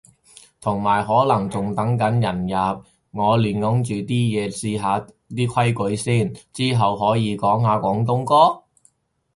同埋可能仲等緊人入，我亂噏住啲嘢試下啲規則先。之後可以講下廣東歌？